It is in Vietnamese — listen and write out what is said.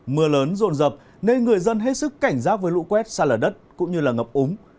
mưa lớn rồn rập nên người dân hết sức cảnh giác với lũ quét xa lở đất cũng như ngập úng